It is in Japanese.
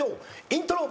イントロ。